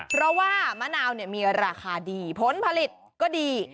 เพราะว่ามะนาวมีราคาดีผลผลิตก็ดี